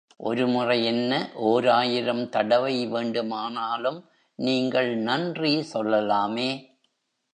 ஒரு முறை என்ன, ஓராயிரம் தடவை வேண்டுமானலும் நீங்கள் நன்றி சொல்லலாமே?